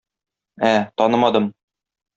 Ә, танымадым.